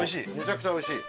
おいしい？